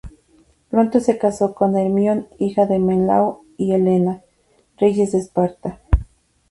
Pronto se casó con Hermíone, hija de Menelao y de Helena, reyes de Esparta.